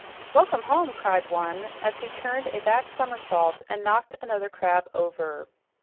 "Welcome home!" cried one as he turned a back somersault and knocked another crab over.